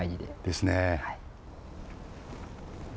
ですね。